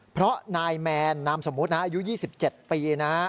เพราะนายแมนนามสมมุติอายุ๒๗ปีนะฮะ